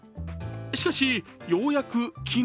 しかし、ようやく昨日